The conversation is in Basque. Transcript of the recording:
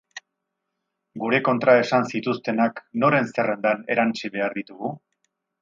Gure kontra esan zituztenak noren zerrendan erantsi behar ditugu?